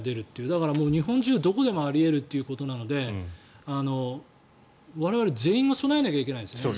だから日本中どこでもあり得るということなので我々全員が備えなきゃいけないですよね。